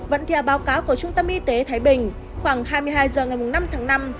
vẫn theo báo cáo của trung tâm y tế thái bình khoảng hai mươi hai h ngày năm tháng năm